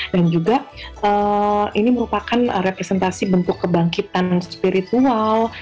dan juga ini merupakan representasi bentuk kebangkitan spiritual